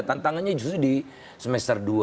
tantangannya justru di semester dua